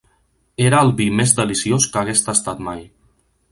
Era el vi més deliciós que hagués tastat mai.